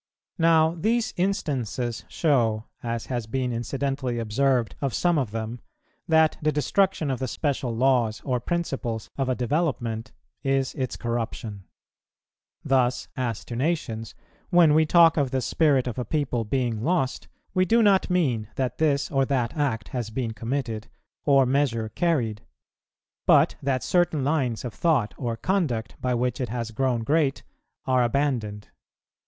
Now, these instances show, as has been incidentally observed of some of them, that the destruction of the special laws or principles of a development is its corruption. Thus, as to nations, when we talk of the spirit of a people being lost, we do not mean that this or that act has been committed, or measure carried, but that certain lines of thought or conduct by which it has grown great are abandoned.